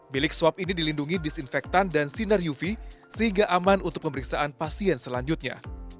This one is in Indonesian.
bilik swab ini dilindungi disinfektan dan sinar uv sehingga aman untuk pemeriksaan pasien selanjutnya